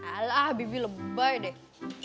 alah bibi lebay deh